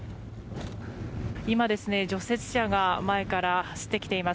今、除雪車が前から走ってきています。